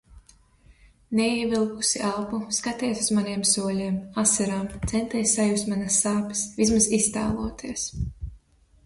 Neievilkusi elpu, skaties uz maniem soļiem, asarām, centies sajust manas sāpes, vismaz iztēloties.